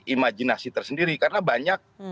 imajinasi tersendiri karena banyak